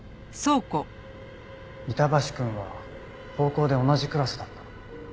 板橋くんは高校で同じクラスだったの。